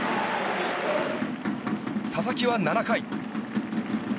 佐々木は７回。